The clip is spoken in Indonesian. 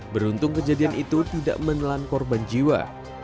beruntung kejadian itu tidak menelan korban jiwa